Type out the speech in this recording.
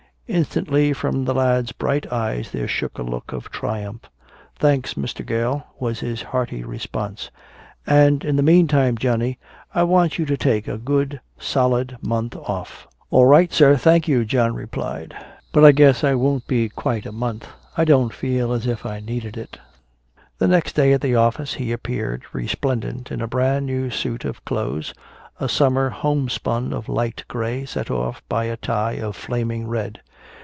Instantly from the lad's bright eyes there shot a look of triumph. "Thanks, Mr. Gale," was his hearty response. "And in the meantime, Johnny, I want you to take a good solid month off." "All right, sir, thank you," John replied. "But I guess it won't be quite a month. I don't feel as if I needed it." The next day at the office he appeared resplendent in a brand new suit of clothes, a summer homespun of light gray set off by a tie of flaming red.